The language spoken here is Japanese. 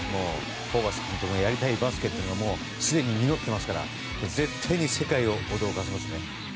ホーバス監督のやりたいバスケがすでに実っていますから絶対に世界を驚かせますね。